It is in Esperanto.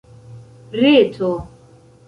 reto